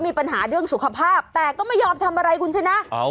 มีปัญหาเรื่องสุขภาพแต่ก็ไม่ยอมทำอะไรคุณชนะ